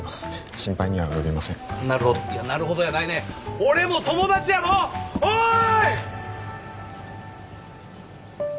心配には及びませんなるほどいやなるほどやないねん俺も友達やろおーい！